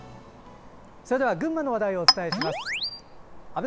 それでは群馬の話題をお伝えします。